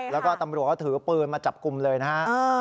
แล้วก็ตำรวจก็ถือปืนมาจับกลุ่มเลยนะฮะ